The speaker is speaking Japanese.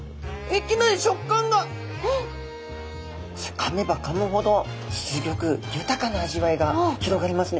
かめばかむほどすギョく豊かな味わいが広がりますね。